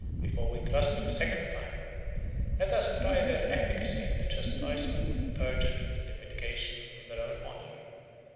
Before we trust them a second time, let us try their efficacy in the chastisement of perjury and the vindication of their own honor."